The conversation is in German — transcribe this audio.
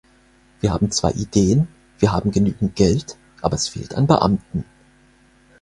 Wir haben zwar Ideen, wir haben genügend Geld, aber es fehlt an Beamten.